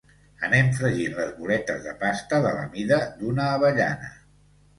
Anem fregint les boletes de pasta de la mida d’una avellana.